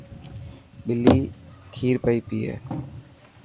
ٻلي کير پيي پئي.